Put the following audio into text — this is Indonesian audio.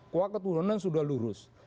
kuah ketuhanan sudah lurus